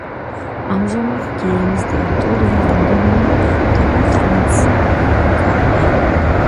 ამჟამად გიენის ტერიტორია რამდენიმე დეპარტამენტს უკავია.